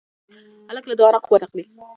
هلک له دعا نه قوت اخلي.